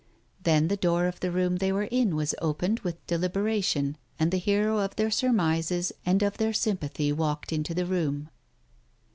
... Then the door of the room they were in was opened with deliberation and the hero of their surmises and of their sympathy walked into the room.